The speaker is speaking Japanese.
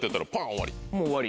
終わり。